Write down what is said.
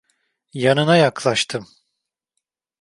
Yanına yaklaştım.